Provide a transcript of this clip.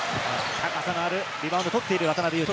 高さのあるリバウンドを取っている渡邊雄太。